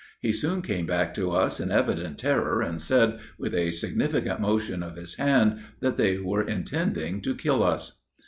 He soon came back to us in evident terror, and said, with a significant motion of his hand, that they were intending to kill us."